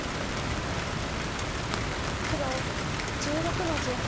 黒１６の十八。